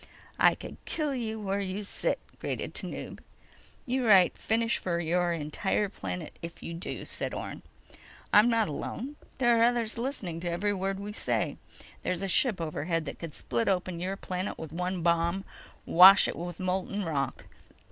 _ "I could kill you where you sit!" grated Tanub. "You write finish for your entire planet if you do," said Orne. "I'm not alone. There are others listening to every word we say. There's a ship overhead that could split open your planet with one bomb—wash it with molten rock.